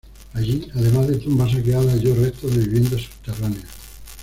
Allí, además de tumbas saqueadas, halló restos de viviendas subterráneas.